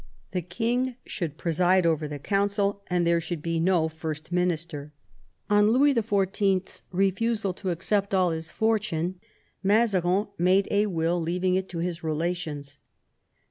The king should preside over the Council, and there should be no First Minister. On Louis XIY.'s refusal to accept all his fortune, Mazarin made a will leaving it to his relations.